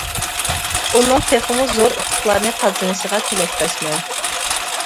ئۇنىڭ تېخىمۇ زور ئۇتۇقلارنى قازىنىشىغا تىلەكداشمەن.